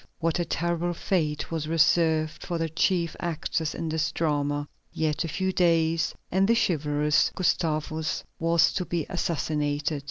What a terrible fate was reserved for the chief actors in this drama! Yet a few days, and the chivalrous Gustavus was to be assassinated.